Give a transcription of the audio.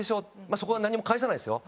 そこは何も返さないですよ